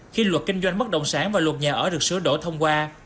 khi luật kinh doanh bất đồng sản và luật nhà ở được sửa đổ thông qua